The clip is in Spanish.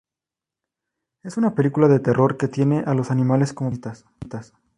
Es una película de terror que tiene a los animales como protagonistas.